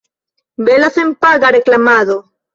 Bela senpaga reklamado.